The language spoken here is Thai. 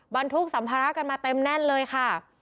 บรรทุกสัมภาระกันมาเต็มแน่นเลยค่ะ